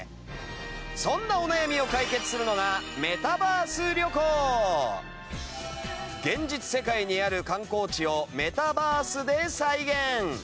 そんなお悩みを解決するのが現実世界にある観光地をメタバースで再現。